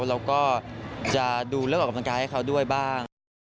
เราก็จะดูเรื่องออกกำลังกายให้เขาด้วยบ้าง